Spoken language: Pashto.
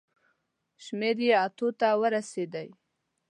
شمېر هم اتو ته ورسېدی.